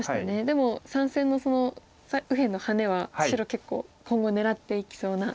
でも３線の右辺のハネは白結構今後狙っていきそうな。